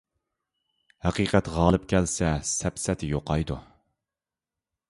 ھەقىقەت غالىب كەلسە سەپسەتە يوقايدۇ.